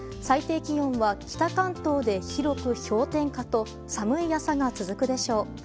最低気温は北関東で広く氷点下と寒い朝が続くでしょう。